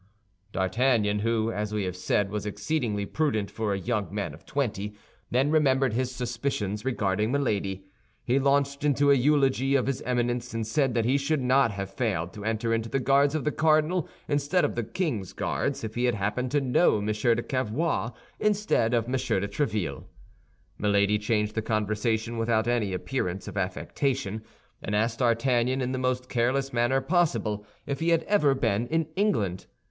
D'Artagnan, who, as we have said, was exceedingly prudent for a young man of twenty, then remembered his suspicions regarding Milady. He launched into a eulogy of his Eminence, and said that he should not have failed to enter into the Guards of the cardinal instead of the king's Guards if he had happened to know M. de Cavois instead of M. de Tréville. Milady changed the conversation without any appearance of affectation, and asked D'Artagnan in the most careless manner possible if he had ever been in England.